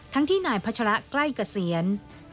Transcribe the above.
ทั้งที่นายพัชราใกล้กับเซียน